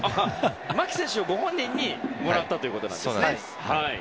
牧選手ご本人にもらったということですね。